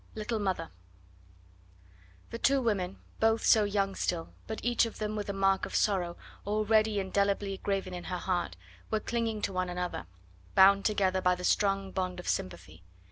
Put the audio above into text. LITTLE MOTHER The two women, both so young still, but each of them with a mark of sorrow already indelibly graven in her heart, were clinging to one another, bound together by the strong bond of sympathy.